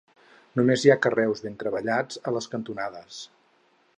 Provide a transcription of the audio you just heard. Només hi ha carreus ben treballats a les cantonades.